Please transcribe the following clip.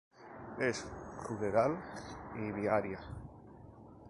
Es ruderal y viaria.